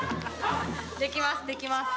できますできます。